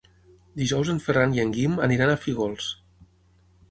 Dijous en Ferran i en Guim aniran a Fígols.